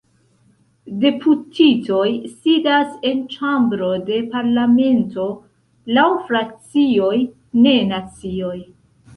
Deputitoj sidas en ĉambro de parlamento laŭ frakcioj, ne nacioj.